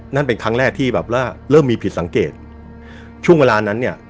นั่นเป็นครั้งแรกที่แบบว่าเริ่มมีผิดสังเกตช่วงเวลานั้นเนี่ย